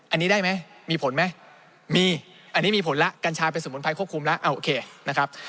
อันนี้ได้ไหมมีผลไหมมีอันนี้มีผลแล้วกัญชาเป็นสมุนไพรควบคุมแล้วโอเคนะครับ